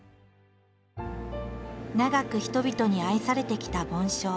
長く人々に愛されてきた梵鐘。